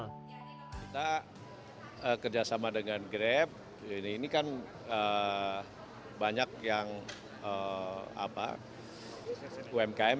kita kerjasama dengan grab ini kan banyak yang umkm